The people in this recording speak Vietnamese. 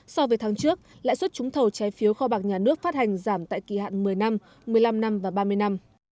so với tháng trước lãi suất trúng thầu trái phiếu kho bạc nhà nước phát hành giảm tại kỳ hạn một mươi năm một mươi năm năm và ba mươi năm